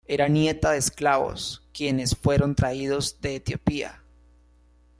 Era nieta de esclavos, quienes fueron traídos de Etiopía.